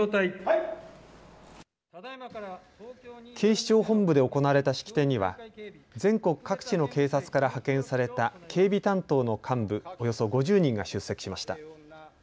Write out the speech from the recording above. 警視庁本部で行われた式典には全国各地の警察から派遣された警備担当の幹部、およそ５０人が出席しました。